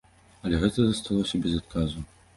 Але гэта засталося без адказу.